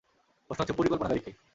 প্রশ্ন হচ্ছে পরিকল্পনাকারী কে?